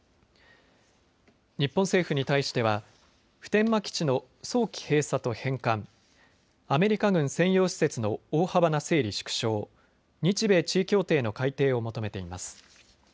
日本政府に対しては普天間基地の早期閉鎖と返還、アメリカ軍専用施設の大幅な整理縮小、日米地位協定の改定を求めています。